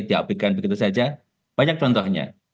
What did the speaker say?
diabekan begitu saja banyak contohnya